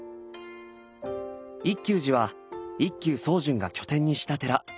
一休寺は一休宗純が拠点にした寺。